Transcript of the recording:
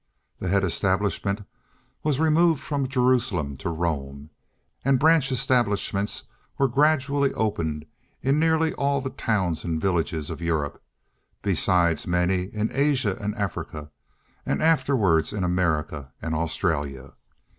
The head establishment was removed from Jerusalem to Rome, and branch establishments were gradually opened in nearly all the towns and villages of Europe, besides many in Asia and Africa, and afterwards in America and Australia.